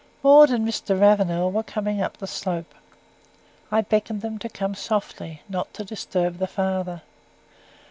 Maud and Mr. Ravenel were coming up the slope. I beckoned them to come softly, not to disturb the father.